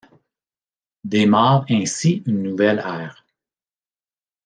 Démarre ainsi une nouvelle ère.